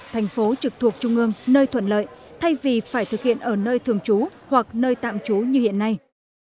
thành phố trực thuộc trung ương nơi thuận lợi thay vì phải thực hiện ở nơi thường trú hoặc nơi tạm trú như hiện nay